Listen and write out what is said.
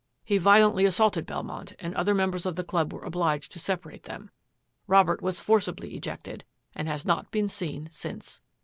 He violently assaulted Belmont, and other members of the club were obliged to separate them. Robert was forcibly ejected and has not been seen since."